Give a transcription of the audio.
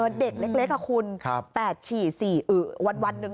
เด็กเล็กคุณ๘๔วันนึง